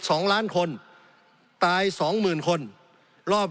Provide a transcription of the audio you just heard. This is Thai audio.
สงบจนจะตายหมดแล้วครับ